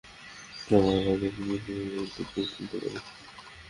আমরা হয়তো দিনের শেষে একটা ছবি তুলতে পারি।